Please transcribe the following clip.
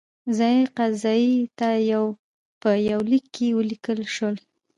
ځايي قاضي ته په یوه لیک کې ولیکل شول.